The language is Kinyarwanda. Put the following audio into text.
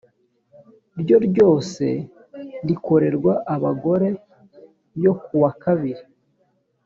ryo ryose rikorerwa abagore yo ku wa kabiri